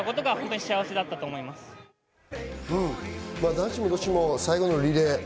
男子も女子も最後のリレー。